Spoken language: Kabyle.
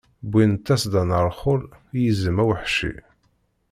Wwiɣ-d tasedda n rrxul, i yizem aweḥci.